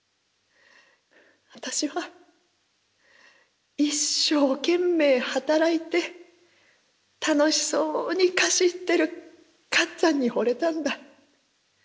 私は一生懸命働いて楽しそうに河岸行ってる勝っつぁんにほれたんだ。